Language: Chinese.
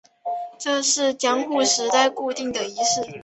这是江户时代固定的仪式。